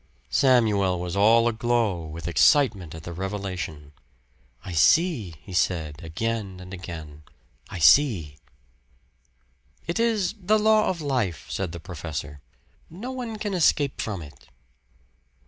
Samuel was all aglow with excitement at the revelation. "I see," he said, again and again "I see!" "It is the law of life," said the professor. "No one can escape from it."